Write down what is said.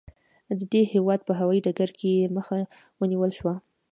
د دې هېواد په هوايي ډګر کې یې مخه ونیول شوه.